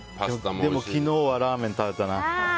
でも昨日はラーメン食べたな。